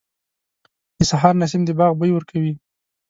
• د سهار نسیم د باغ بوی ورکوي.